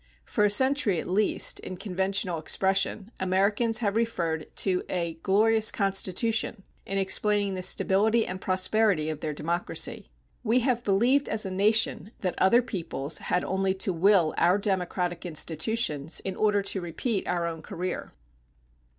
For a century at least, in conventional expression, Americans have referred to a "glorious Constitution" in explaining the stability and prosperity of their democracy. We have believed as a nation that other peoples had only to will our democratic institutions in order to repeat our own career.